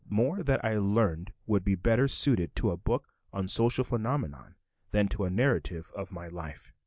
More that I learned would be better suited to a book on social phenomena than to a narrative of my life.